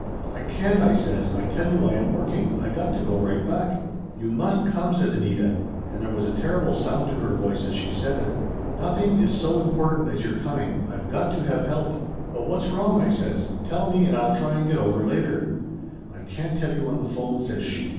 "I can't," I says. "I tell you I am working. I got to go right back." "You must come !" says Anita, and there was a ter rible sound to her voice as she said it. "Nothing is so important as your coming. I've got to have help." "But what's wrong?" I says. "Tell me, and I'll try and get over later." "I can't tell you on the phone," says she.